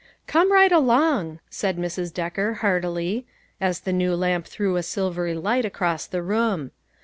" Come right along," said Mrs. Decker heart ily, as the new lamp threw a silvery light across the room.